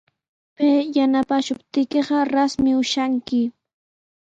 Pay yanapaashuptiykiqa rasmi ushanki.